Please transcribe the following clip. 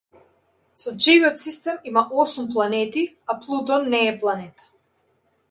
Сончевиот систем има осум планети, а Плутон не е планета.